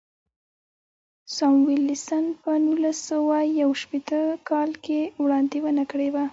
ساموېلسن په نولس سوه یو شپېته کال کې وړاندوینه کړې وه.